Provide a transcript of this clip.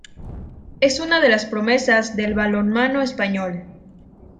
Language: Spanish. Es una de las promesas del balonmano español.